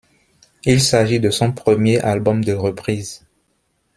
Il s'agit de son premier album de reprise.